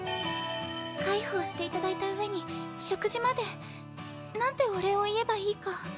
介抱していただいたうえに食事まで。なんてお礼を言えばいいか。